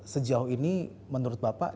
sejauh ini menurut bapak